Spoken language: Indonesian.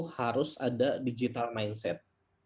harus ada digital mindset